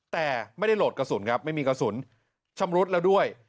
แต่ไม่ได้โหลดกระสุนครับไม่มีกระสุนชำรุดแล้วด้วย